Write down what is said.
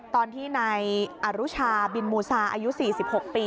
ตอนที่นายอรุชาบินมูซาอายุ๔๖ปี